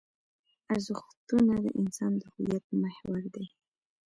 ارزښتونه د انسان د هویت محور دي.